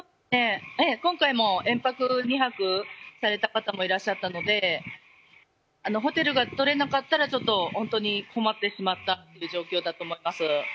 今回も延泊、２泊された方もいらっしゃったのでホテルが取れなかったら困ってしまった状況だと思います。